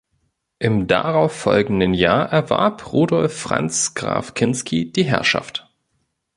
Im darauf folgenden Jahr erwarb Rudolf Franz Graf Kinsky die Herrschaft.